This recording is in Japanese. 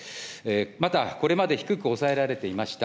またこれまで低く抑えられていました